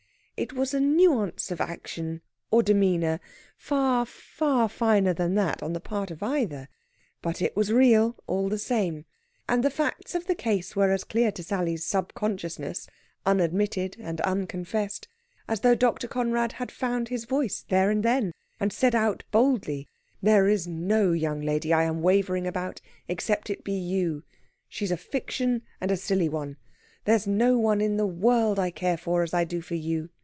It was a nuance of action or demeanour far, far finer than that on the part of either. But it was real all the same. And the facts of the case were as clear to Sally's subconsciousness, unadmitted and unconfessed, as though Dr. Conrad had found his voice then and there, and said out boldly: "There is no young lady I am wavering about except it be you; she's a fiction, and a silly one. There is no one in the world I care for as I do for you.